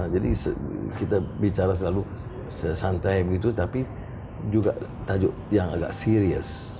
jadi kita bicara selalu sesantai begitu tapi juga tajuk yang agak serius